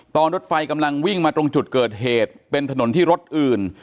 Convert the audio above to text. รถไฟกำลังวิ่งมาตรงจุดเกิดเหตุเป็นถนนที่รถอื่น